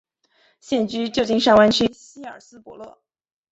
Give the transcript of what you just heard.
现居旧金山湾区希尔斯伯勒。